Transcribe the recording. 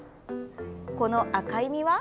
この赤い実は？